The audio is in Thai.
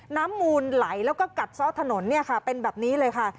น้ำมูลไหลแล้วก็กัดซ่อถนนเนี่ยค่ะเป็นแบบนี้เลยค่ะ